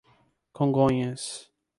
Congonhas